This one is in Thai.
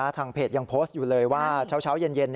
ทางเพจยังโพสต์อยู่เลยว่าเช้าเย็น